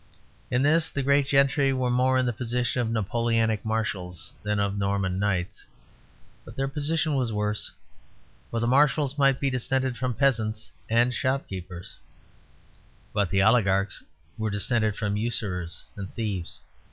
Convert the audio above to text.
In this the great gentry were more in the position of Napoleonic marshals than of Norman knights, but their position was worse; for the marshals might be descended from peasants and shopkeepers; but the oligarchs were descended from usurers and thieves.